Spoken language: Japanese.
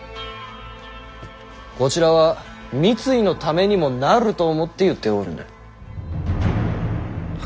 こちらは三井のためにもなると思って言っておるのだ。